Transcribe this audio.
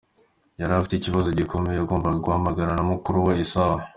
Yari afite ikibazo gikomeye yagombaga guhangana na mukuru we Esawu.